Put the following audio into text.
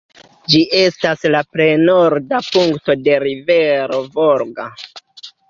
Ĝi estas la plej norda punkto de rivero Volgo.